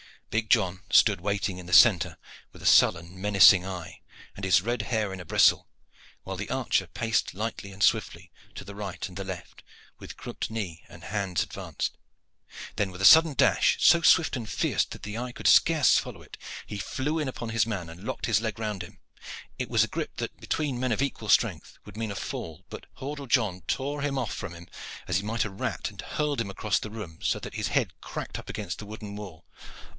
Big John stood waiting in the centre with a sullen, menacing eye, and his red hair in a bristle, while the archer paced lightly and swiftly to the right and the left with crooked knee and hands advanced. Then with a sudden dash, so swift and fierce that the eye could scarce follow it, he flew in upon his man and locked his leg round him. It was a grip that, between men of equal strength, would mean a fall; but Hordle John tore him off from him as he might a rat, and hurled him across the room, so that his head cracked up against the wooden wall.